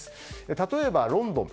例えば、ロンドン。